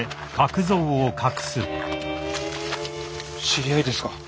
知り合いですか？